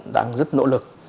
đang rất nỗ lực